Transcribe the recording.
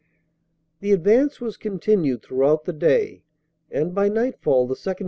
The advance was continued throughout the day and by nightfall the 2nd.